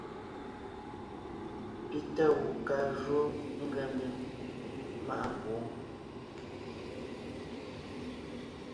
Pi tá gù kaa jǔɔ ngʉa mbím maʼa pwoon.